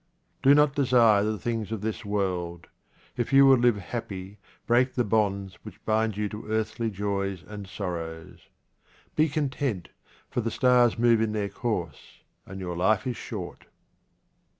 Do not desire the things of this world. If you would live happy, break the bonds which bind you to earthly joys and sorrows. Be content, for the stars move in their course, and your life is short.